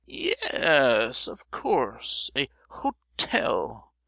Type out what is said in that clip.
"Ye—yes, of course, a ho—tel!